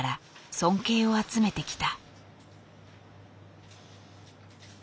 尊敬を集めてきた。